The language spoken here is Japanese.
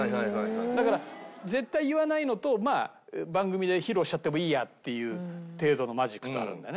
だから絶対言わないのと番組で披露しちゃってもいいやっていう程度のマジックとあるんだよね。